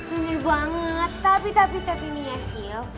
bener banget tapi tapi tapi nih ya sil